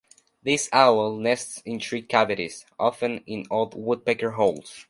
This owl nests in tree cavities, often in old woodpecker holes.